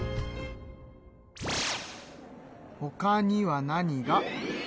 ほかには何が。